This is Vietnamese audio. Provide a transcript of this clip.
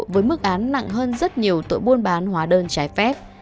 với mức án nặng hơn rất nhiều tội buôn bán hóa đơn trái phép